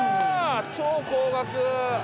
超高額。